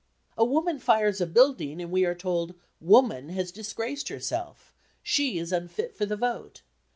A woman fires a building and we are told "Woman" has disgraced herself, "She" is unfit for the vote.